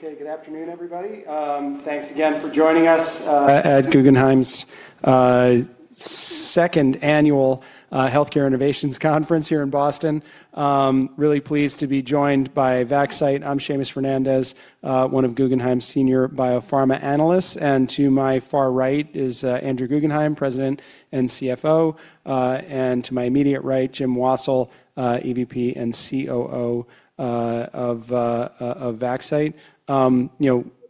Okay, good afternoon, everybody. Thanks again for joining us at Guggenheim's second annual Healthcare Innovations Conference here in Boston. Really pleased to be joined by Vaxcyte. I'm Seamus Fernandez, one of Guggenheim's senior biopharma analysts. To my far right is Andrew Guggenheim, President and CFO. To my immediate right, Jim Wassil, EVP and COO of Vaxcyte. You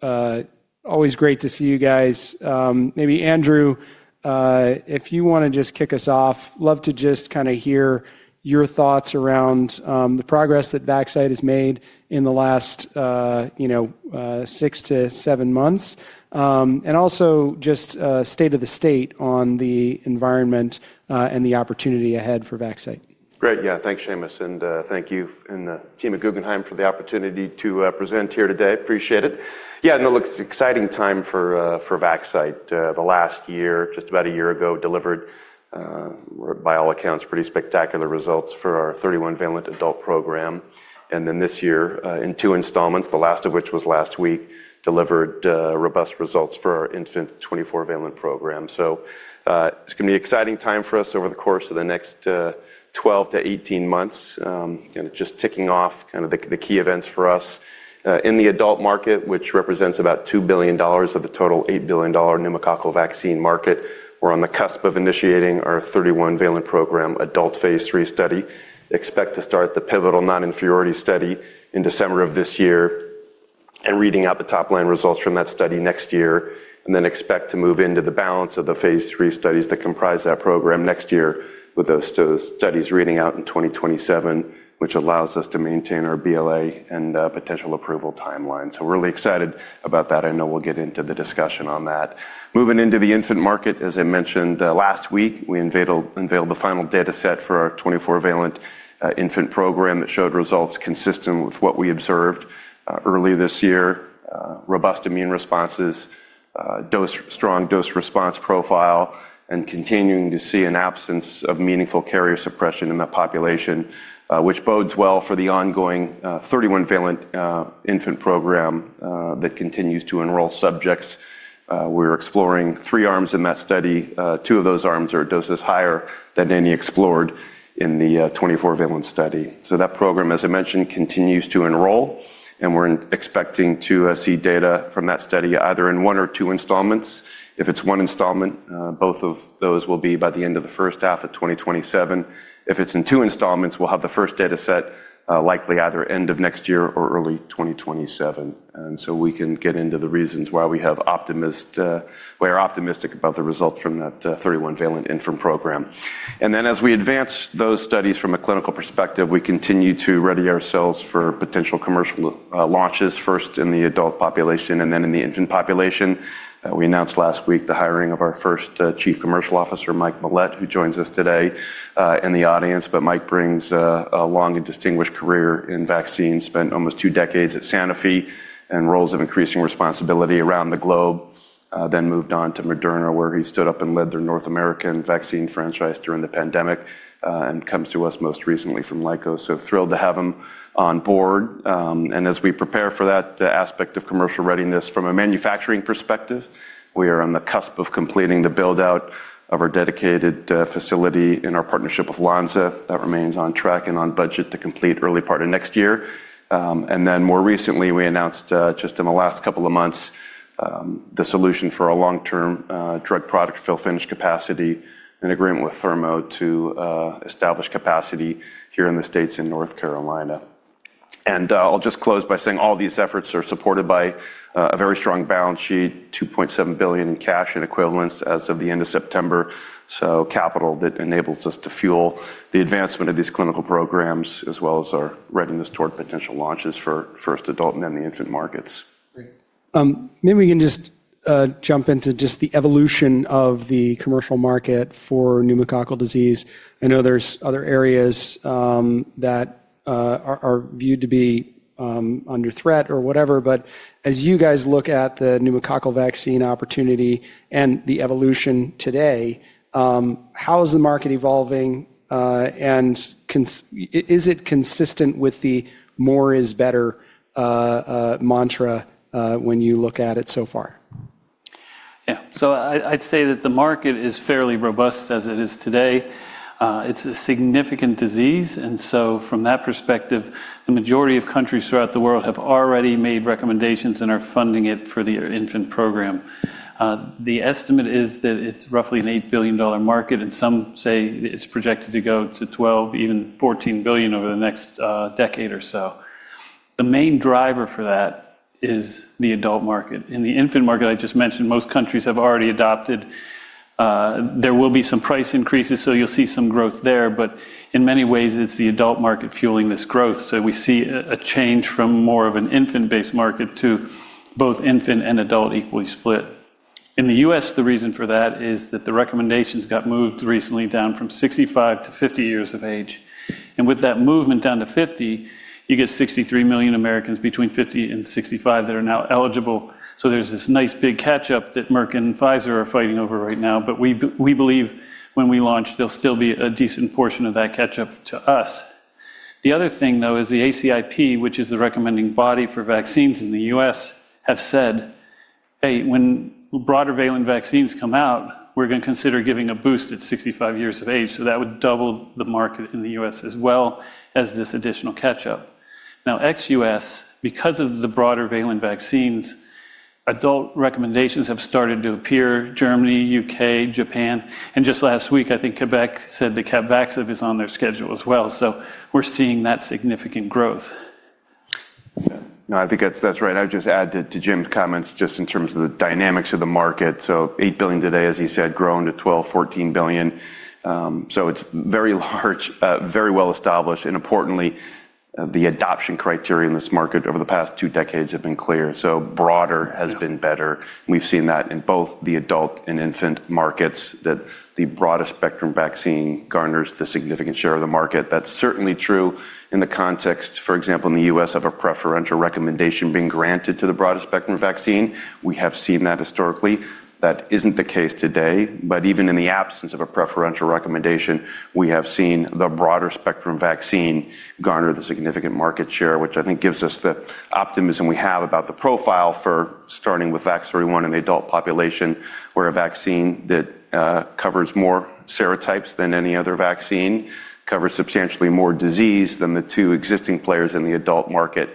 know, always great to see you guys. Maybe Andrew, if you want to just kick us off, love to just kind of hear your thoughts around the progress that Vaxcyte has made in the last six to seven months. Also, just state of the state on the environment and the opportunity ahead for Vaxcyte. Great. Yeah, thanks, Seamus. And thank you and the team at Guggenheim for the opportunity to present here today. Appreciate it. Yeah, no, it looks exciting time for Vaxcyte. The last year, just about a year ago, delivered by all accounts pretty spectacular results for our 31-valent adult program. And then this year in two installments, the last of which was last week, delivered robust results for our infant 24-valent program. It is going to be an exciting time for us over the course of the next 12-18 months. Kind of just ticking off kind of the key events for us in the adult market, which represents about $2 billion of the total $8 billion pneumococcal vaccine market. We are on the cusp of initiating our 31-valent program adult phase three study. Expect to start the pivotal non-inferiority study in December of this year and reading out the top line results from that study next year. Expect to move into the balance of the phase three studies that comprise that program next year with those studies reading out in 2027, which allows us to maintain our BLA and potential approval timeline. We are really excited about that. I know we will get into the discussion on that. Moving into the infant market, as I mentioned last week, we unveiled the final data set for our 24-valent infant program that showed results consistent with what we observed earlier this year: robust immune responses, strong dose response profile, and continuing to see an absence of meaningful carrier suppression in that population, which bodes well for the ongoing 31-valent infant program that continues to enroll subjects. We're exploring three arms in that study. Two of those arms are doses higher than any explored in the 24 valent study. That program, as I mentioned, continues to enroll. We're expecting to see data from that study either in one or two installments. If it's one installment, both of those will be by the end of the first half of 2027. If it's in two installments, we'll have the first data set likely either end of next year or early 2027. We can get into the reasons why we are optimistic about the results from that 31-valent infant program. As we advance those studies from a clinical perspective, we continue to ready ourselves for potential commercial launches, first in the adult population and then in the infant population. We announced last week the hiring of our first Chief Commercial Officer, Mike Millett, who joins us today in the audience. Mike brings a long and distinguished career in vaccines, spent almost two decades at Sanofi in roles of increasing responsibility around the globe. He moved on to Moderna, where he stood up and led their North American vaccine franchise during the pandemic and comes to us most recently from Lyco. Thrilled to have him on board. As we prepare for that aspect of commercial readiness from a manufacturing perspective, we are on the cusp of completing the build-out of our dedicated facility in our partnership with Lonza. That remains on track and on budget to complete early part of next year. More recently, we announced just in the last couple of months the solution for a long-term drug product fill-finish capacity in agreement with Thermo Fisher Scientific to establish capacity here in the U.S in North Carolina. I'll just close by saying all these efforts are supported by a very strong balance sheet, $2.7 billion in cash and equivalents as of the end of September. Capital that enables us to fuel the advancement of these clinical programs as well as our readiness toward potential launches for first adult and then the infant markets. Maybe we can just jump into just the evolution of the commercial market for pneumococcal disease. I know there's other areas that are viewed to be under threat or whatever. But as you guys look at the pneumococcal vaccine opportunity and the evolution today, how is the market evolving? Is it consistent with the more is better mantra when you look at it so far? Yeah, so I'd say that the market is fairly robust as it is today. It's a significant disease. From that perspective, the majority of countries throughout the world have already made recommendations and are funding it for the infant program. The estimate is that it's roughly an $8 billion market. Some say it's projected to go to $12 billion, even $14 billion over the next decade or so. The main driver for that is the adult market. In the infant market, I just mentioned most countries have already adopted. There will be some price increases, so you'll see some growth there. In many ways, it's the adult market fueling this growth. We see a change from more of an infant-based market to both infant and adult equally split. In the U.S, the reason for that is that the recommendations got moved recently down from 65 to 50 years of age. With that movement down to 50, you get 63 million Americans between 50 and 65 that are now eligible. There is this nice big catch-up that Merck and Pfizer are fighting over right now. We believe when we launch, there will still be a decent portion of that catch-up to us. The other thing, though, is the ACIP, which is the recommending body for vaccines in the U.S, has said, "Hey, when broader valent vaccines come out, we're going to consider giving a boost at 65 years of age." That would double the market in the U.S as well as this additional catch-up. Now, ex-US, because of the broader valent vaccines, adult recommendations have started to appear: Germany, U.K, Japan. Just last week, I think Quebec said that Capvaxive is on their schedule as well. We're seeing that significant growth. No, I think that's right. I would just add to Jim's comments just in terms of the dynamics of the market. So $8 billion today, as he said, grown to $12-$14 billion. It is very large, very well established. Importantly, the adoption criteria in this market over the past two decades have been clear. Broader has been better. We've seen that in both the adult and infant markets that the broader spectrum vaccine garners the significant share of the market. That is certainly true in the context, for example, in the U.S. of a preferential recommendation being granted to the broader spectrum vaccine. We have seen that historically. That is not the case today. Even in the absence of a preferential recommendation, we have seen the broader spectrum vaccine garner significant market share, which I think gives us the optimism we have about the profile for starting with VAX-31 in the adult population, where a vaccine that covers more serotypes than any other vaccine covers substantially more disease than the two existing players in the adult market.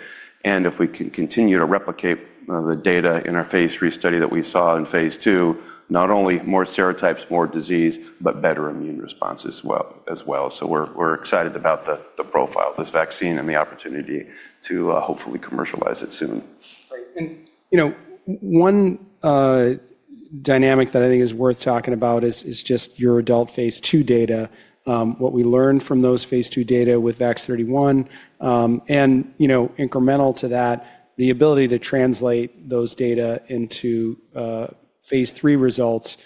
If we can continue to replicate the data in our phase three study that we saw in phase two, not only more serotypes, more disease, but better immune response as well. We are excited about the profile of this vaccine and the opportunity to hopefully commercialize it soon. One dynamic that I think is worth talking about is just your adult phase two data. What we learned from those phase two data with VAX-31. And incremental to that, the ability to translate those data into phase three results,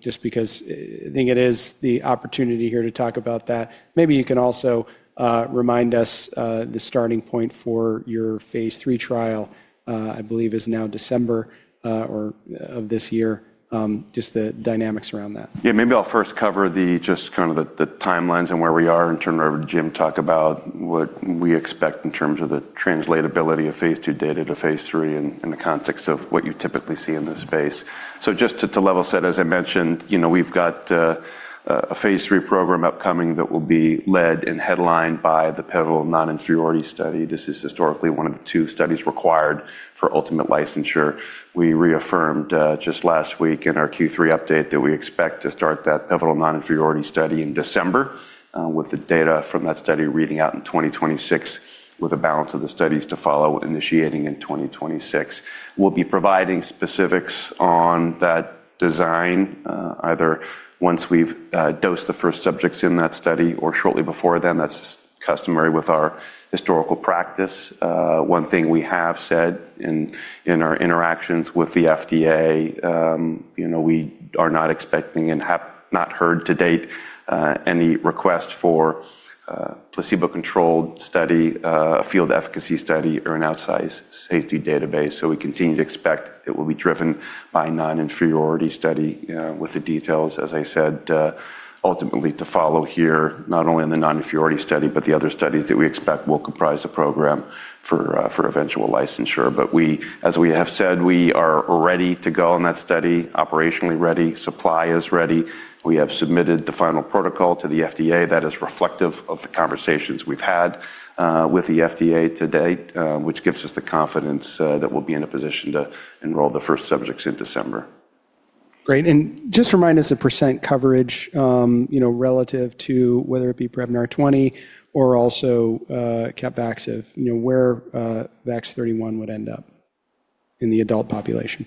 just because I think it is the opportunity here to talk about that. Maybe you can also remind us the starting point for your phase three trial, I believe is now December of this year, just the dynamics around that. Yeah, maybe I'll first cover just kind of the timelines and where we are and turn it over to Jim to talk about what we expect in terms of the translatability of phase two data to phase three and the context of what you typically see in this space. Just to level set, as I mentioned, we've got a phase three program upcoming that will be led and headlined by the pivotal non-inferiority study. This is historically one of the two studies required for ultimate licensure. We reaffirmed just last week in our Q3 update that we expect to start that pivotal non-inferiority study in December with the data from that study reading out in 2026, with a balance of the studies to follow initiating in 2026. We'll be providing specifics on that design either once we've dosed the first subjects in that study or shortly before then. That's customary with our historical practice. One thing we have said in our interactions with the FDA, we are not expecting and have not heard to date any request for a placebo-controlled study, a field efficacy study, or an outsized safety database. We continue to expect it will be driven by a non-inferiority study with the details, as I said, ultimately to follow here, not only in the non-inferiority study, but the other studies that we expect will comprise the program for eventual licensure. As we have said, we are ready to go on that study, operationally ready, supply is ready. We have submitted the final protocol to the FDA that is reflective of the conversations we've had with the FDA to date, which gives us the confidence that we'll be in a position to enroll the first subjects in December. Great. Just remind us of percent coverage relative to whether it be Prevnar 20 or also Capvaxive, where VAX-31 would end up in the adult population.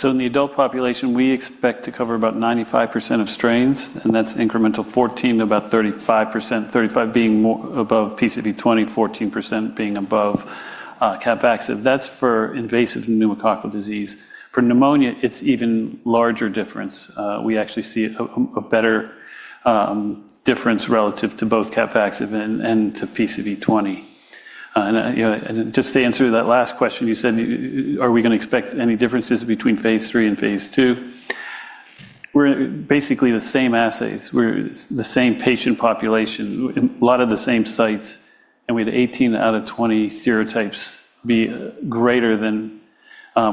In the adult population, we expect to cover about 95% of strains, and that's incremental 14%-35%, 35% being above PCV20, 14% being above Capvaxive. That's for invasive pneumococcal disease. For pneumonia, it's even larger difference. We actually see a better difference relative to both Capvaxive and to PCV20. Just to answer that last question, you said, are we going to expect any differences between phase three and phase two? We're basically the same assays. We're the same patient population, a lot of the same sites. We had 18/20 serotypes be greater than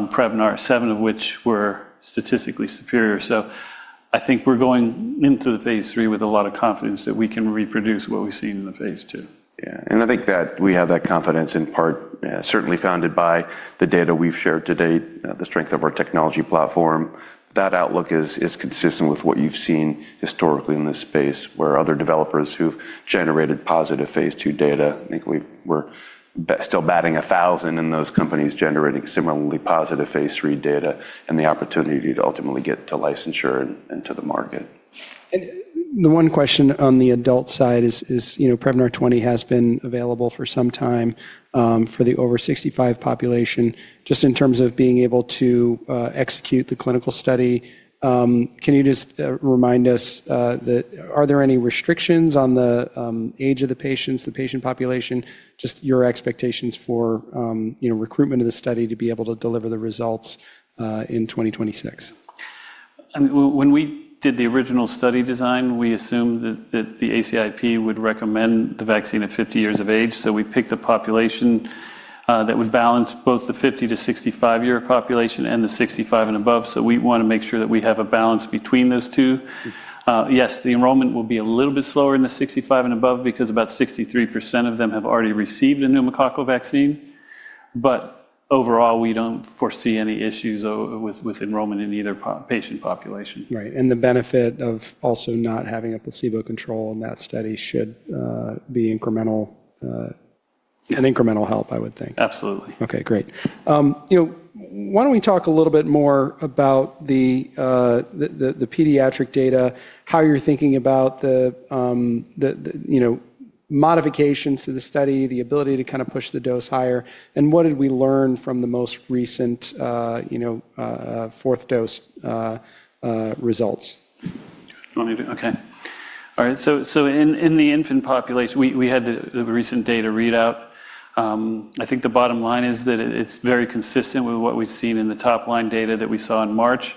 Prevnar, seven of which were statistically superior. I think we're going into the phase three with a lot of confidence that we can reproduce what we've seen in the phase two. Yeah. I think that we have that confidence in part certainly founded by the data we've shared to date, the strength of our technology platform. That outlook is consistent with what you've seen historically in this space where other developers who've generated positive phase two data. I think we're still batting 1,000 in those companies generating similarly positive phase three data and the opportunity to ultimately get to licensure and to the market. The one question on the adult side is Prevnar 20 has been available for some time for the over 65 population just in terms of being able to execute the clinical study. Can you just remind us, are there any restrictions on the age of the patients, the patient population, just your expectations for recruitment of the study to be able to deliver the results in 2026? When we did the original study design, we assumed that the ACIP would recommend the vaccine at 50 years of age. So we picked a population that would balance both the 50-65 year population and the 65 and above. So we want to make sure that we have a balance between those two. Yes, the enrollment will be a little bit slower in the 65 and above because about 63% of them have already received a pneumococcal vaccine. But overall, we do not foresee any issues with enrollment in either patient population. Right. The benefit of also not having a placebo control in that study should be an incremental help, I would think. Absolutely. Okay, great. Why don't we talk a little bit more about the pediatric data, how you're thinking about the modifications to the study, the ability to kind of push the dose higher, and what did we learn from the most recent fourth dose results? Okay. All right. In the infant population, we had the recent data readout. I think the bottom line is that it is very consistent with what we have seen in the top line data that we saw in March.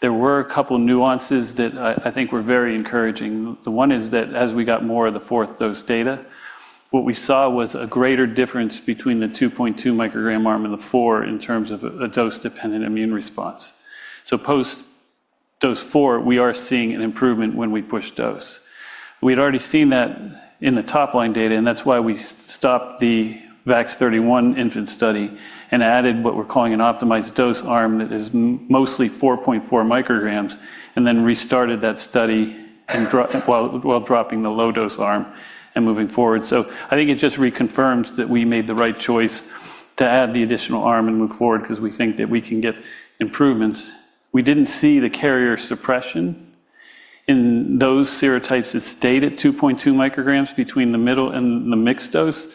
There were a couple of nuances that I think were very encouraging. The one is that as we got more of the fourth dose data, what we saw was a greater difference between the 2.2 mcg arm and the four in terms of a dose-dependent immune response. Post dose four, we are seeing an improvement when we push dose. We had already seen that in the top line data, and that is why we stopped the VAX-31 infant study and added what we are calling an optimized dose arm that is mostly 4.4 mcg, and then restarted that study while dropping the low dose arm and moving forward. I think it just reconfirms that we made the right choice to add the additional arm and move forward because we think that we can get improvements. We did not see the carrier suppression in those serotypes that stayed at 2.2 mcg between the middle and the mixed dose.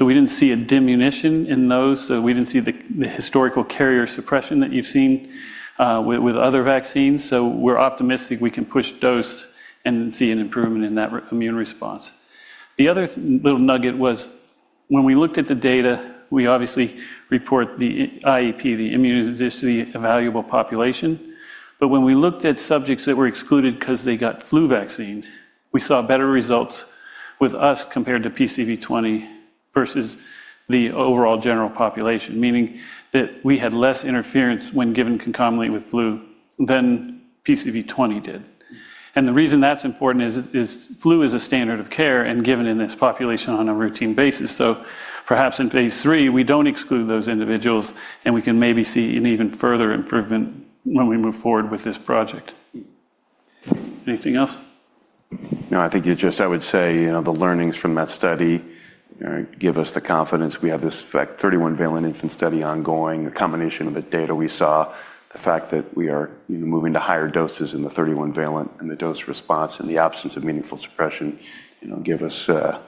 We did not see a diminution in those. We did not see the historical carrier suppression that you have seen with other vaccines. We are optimistic we can push dose and see an improvement in that immune response. The other little nugget was when we looked at the data, we obviously report the IEP, the immunogenicity, a valuable population. When we looked at subjects that were excluded because they got flu vaccine, we saw better results with us compared to PCV20 versus the overall general population, meaning that we had less interference when given concomitantly with flu than PCV20 did. The reason that's important is flu is a standard of care and given in this population on a routine basis. Perhaps in phase three, we don't exclude those individuals, and we can maybe see an even further improvement when we move forward with this project. Anything else? No, I think just I would say the learnings from that study give us the confidence we have this VAX-31 valent infant study ongoing. The combination of the data we saw, the fact that we are moving to higher doses in the 31-valent and the dose response and the absence of meaningful suppression give us the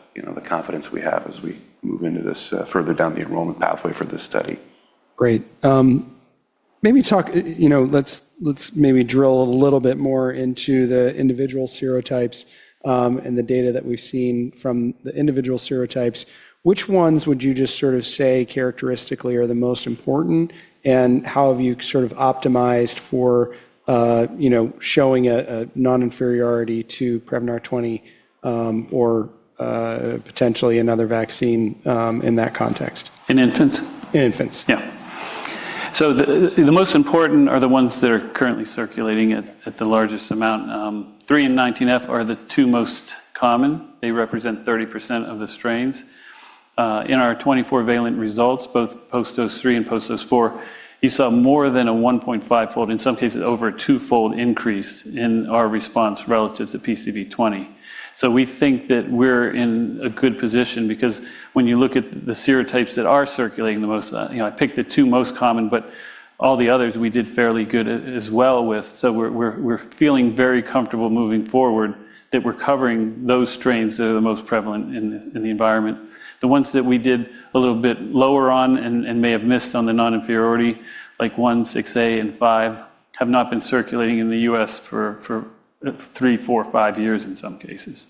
confidence we have as we move into this further down the enrollment pathway for this study. Great. Maybe talk, let's maybe drill a little bit more into the individual serotypes and the data that we've seen from the individual serotypes. Which ones would you just sort of say characteristically are the most important, and how have you sort of optimized for showing a non-inferiority to Prevnar 20 or potentially another vaccine in that context? In infants? In infants. Yeah. The most important are the ones that are currently circulating at the largest amount. 3 and 19F are the two most common. They represent 30% of the strains. In our 24-valent results, both post dose three and post dose four, you saw more than a 1.5x, in some cases over a 2x increase in our response relative to PCV20. We think that we're in a good position because when you look at the serotypes that are circulating the most, I picked the two most common, but all the others we did fairly good as well with. We're feeling very comfortable moving forward that we're covering those strains that are the most prevalent in the environment. The ones that we did a little bit lower on and may have missed on the non-inferiority, like 1, 6A, and 5, have not been circulating in the U.S for three, four, five years in some cases.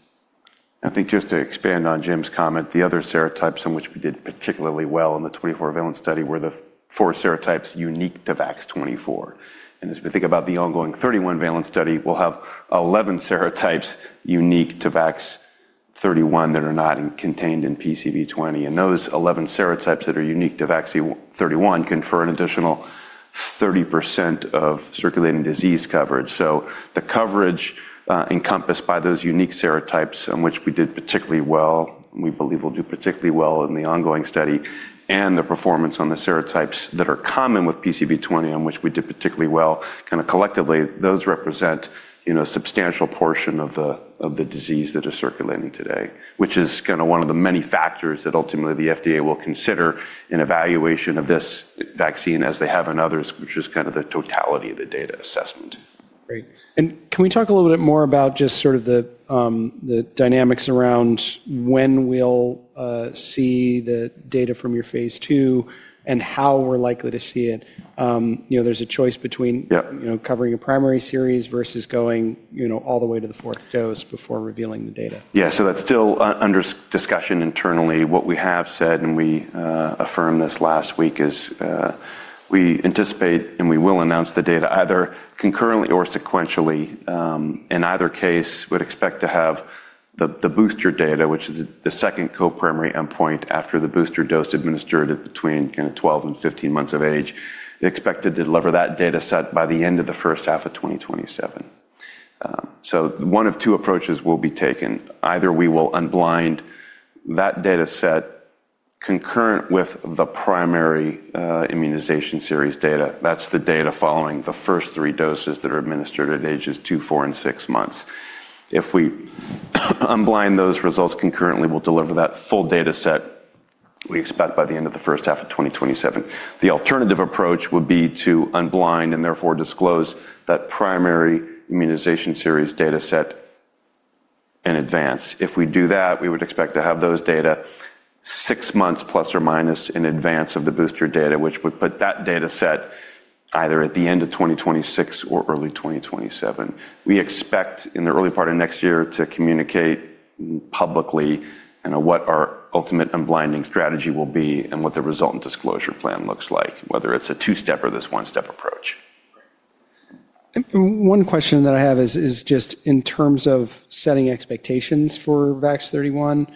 I think just to expand on Jim's comment, the other serotypes on which we did particularly well in the 24-valent study were the four serotypes unique to VAX-24. As we think about the ongoing 31-valent study, we'll have 11 serotypes unique to VAX-31 that are not contained in PCV20. Those 11 serotypes that are unique to VAX-31 confer an additional 30% of circulating disease coverage. The coverage encompassed by those unique serotypes on which we did particularly well, we believe we'll do particularly well in the ongoing study, and the performance on the serotypes that are common with PCV20 on which we did particularly well, kind of collectively, those represent a substantial portion of the disease that is circulating today, which is kind of one of the many factors that ultimately the FDA will consider in evaluation of this vaccine as they have in others, which is kind of the totality of the data assessment. Great. Can we talk a little bit more about just sort of the dynamics around when we'll see the data from your phase two and how we're likely to see it? There's a choice between covering a primary series versus going all the way to the fourth dose before revealing the data. Yeah. So that's still under discussion internally. What we have said, and we affirmed this last week, is we anticipate and we will announce the data either concurrently or sequentially. In either case, we'd expect to have the booster data, which is the second coprimary endpoint after the booster dose administered between 12 and 15 months of age, expected to deliver that data set by the end of the first half of 2027. One of two approaches will be taken. Either we will unblind that data set concurrent with the primary immunization series data. That's the data following the first three doses that are administered at ages two, four, and six months. If we unblind those results concurrently, we'll deliver that full data set we expect by the end of the first half of 2027. The alternative approach would be to unblind and therefore disclose that primary immunization series data set in advance. If we do that, we would expect to have those data six months± in advance of the booster data, which would put that data set either at the end of 2026 or early 2027. We expect in the early part of next year to communicate publicly what our ultimate unblinding strategy will be and what the resultant disclosure plan looks like, whether it's a two-step or this one-step approach. One question that I have is just in terms of setting expectations for VAX-31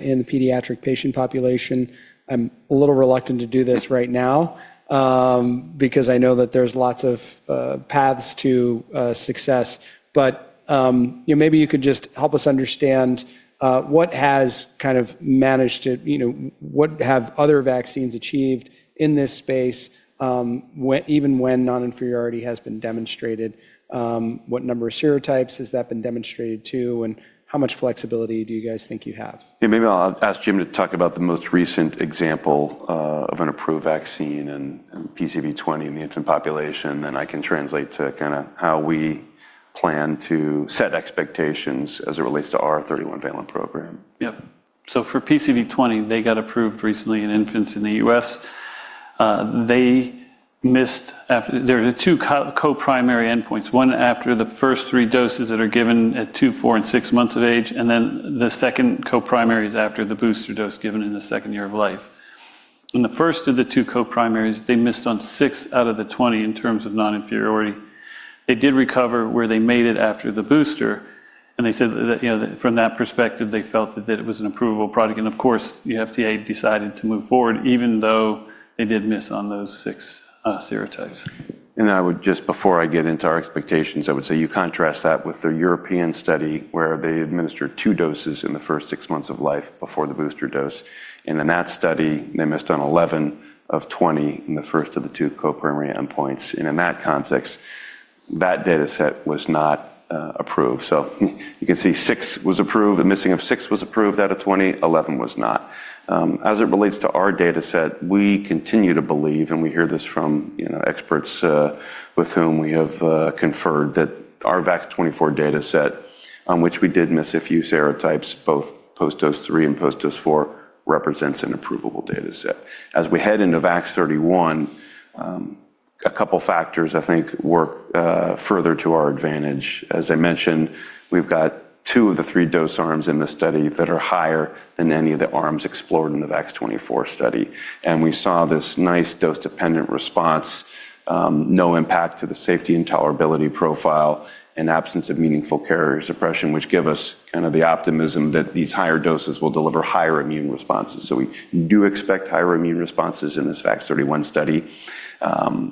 in the pediatric patient population. I'm a little reluctant to do this right now because I know that there's lots of paths to success. Maybe you could just help us understand what has kind of managed to, what have other vaccines achieved in this space, even when non-inferiority has been demonstrated? What number of serotypes has that been demonstrated to, and how much flexibility do you guys think you have? Yeah. Maybe I'll ask Jim to talk about the most recent example of an approved vaccine and PCV20 in the infant population, and I can translate to kind of how we plan to set expectations as it relates to our 31-valent program. Yep. For PCV20, they got approved recently in infants in the U.S. There are two coprimary endpoints, one after the first three doses that are given at two, four, and six months of age, and then the second coprimary is after the booster dose given in the second year of life. In the first of the two coprimary, they missed on six out of the 20 in terms of non-inferiority. They did recover where they made it after the booster, and they said from that perspective, they felt that it was an approvable product. Of course, the FDA decided to move forward, even though they did miss on those six serotypes. Just before I get into our expectations, I would say you contrast that with the European study where they administered two doses in the first six months of life before the booster dose. In that study, they missed on 11 /20 in the first of the two coprimary endpoints. In that context, that data set was not approved. You can see six was approved, a missing of six was approved out of 20, 11 was not. As it relates to our data set, we continue to believe, and we hear this from experts with whom we have conferred, that our VAX-24 data set, on which we did miss a few serotypes, both post dose three and post dose four, represents an approvable data set. As we head into VAX-31, a couple of factors, I think, work further to our advantage. As I mentioned, we've got two of the three dose arms in the study that are higher than any of the arms explored in the VAX-24 study. We saw this nice dose-dependent response, no impact to the safety and tolerability profile, and absence of meaningful carrier suppression, which give us kind of the optimism that these higher doses will deliver higher immune responses. We do expect higher immune responses in this VAX-31 study.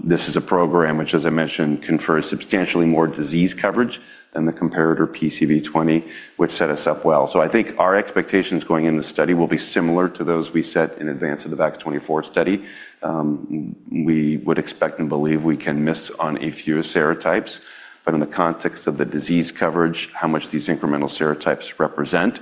This is a program which, as I mentioned, confers substantially more disease coverage than the comparator PCV20, which set us up well. I think our expectations going into the study will be similar to those we set in advance of the VAX-24 study. We would expect and believe we can miss on a few serotypes. In the context of the disease coverage, how much these incremental serotypes represent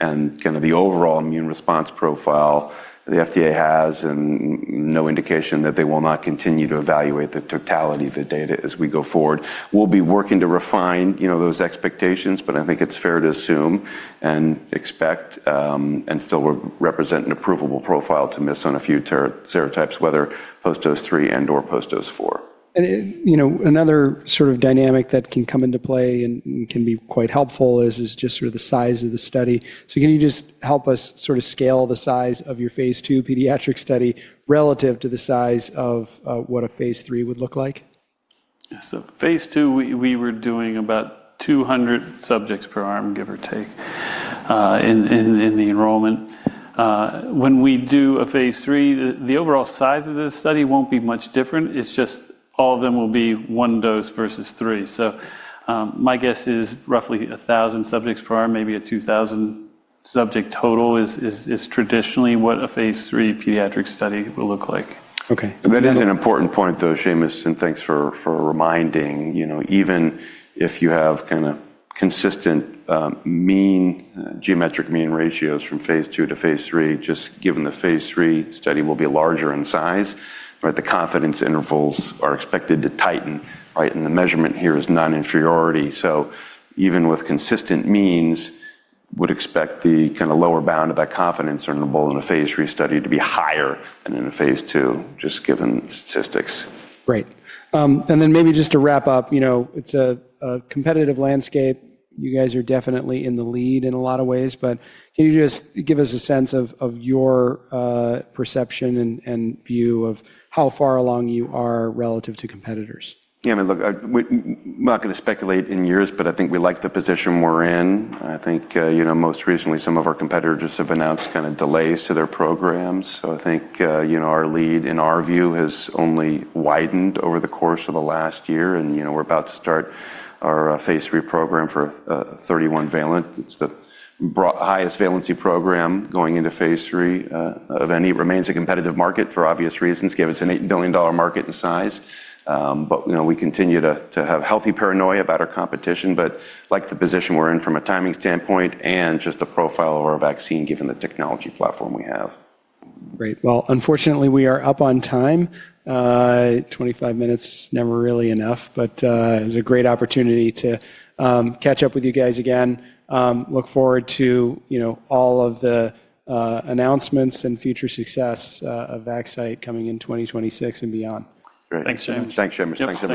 and kind of the overall immune response profile the FDA has and no indication that they will not continue to evaluate the totality of the data as we go forward, we'll be working to refine those expectations, but I think it's fair to assume and expect and still represent an approvable profile to miss on a few serotypes, whether post dose three and/or post dose four. Another sort of dynamic that can come into play and can be quite helpful is just sort of the size of the study. Can you just help us sort of scale the size of your phase two pediatric study relative to the size of what a phase three would look like? Phase two, we were doing about 200 subjects per arm, give or take, in the enrollment. When we do a phase three, the overall size of the study will not be much different. It is just all of them will be one dose versus three. My guess is roughly 1,000 subjects per arm, maybe a 2,000 subject total is traditionally what a phase three pediatric study will look like. Okay. That is an important point, though, Seamus, and thanks for reminding. Even if you have kind of consistent geometric mean ratios from phase two to phase three, just given the phase three study will be larger in size, the confidence intervals are expected to tighten, right? The measurement here is non-inferiority. Even with consistent means, we would expect the kind of lower bound of that confidence interval in a phase three study to be higher than in a phase two, just given statistics. Great. Maybe just to wrap up, it's a competitive landscape. You guys are definitely in the lead in a lot of ways, but can you just give us a sense of your perception and view of how far along you are relative to competitors? Yeah. I mean, look, I'm not going to speculate in years, but I think we like the position we're in. I think most recently, some of our competitors have announced kind of delays to their programs. I think our lead, in our view, has only widened over the course of the last year. We're about to start our phase three program for 31-valent. It's the highest valency program going into phase three of any. It remains a competitive market for obvious reasons, given it's an $8 billion market in size. We continue to have healthy paranoia about our competition. I like the position we're in from a timing standpoint and just the profile of our vaccine given the technology platform we have. Great. Unfortunately, we are up on time. 25 minutes is never really enough, but it was a great opportunity to catch up with you guys again. Look forward to all of the announcements and future success of Vaxcyte coming in 2026 and beyond. Great. Thanks, Seamus. Thanks, Seamus. Thanks.